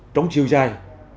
trong chiều dài